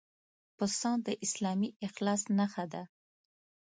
پسه د اسلامي اخلاص نښه ده.